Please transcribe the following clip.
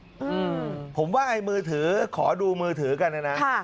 อืมผมว่ามือถือขอดูมือถือกันน่ะนะ